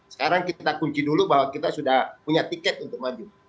sekarang kita kunci dulu bahwa kita sudah punya tiket untuk maju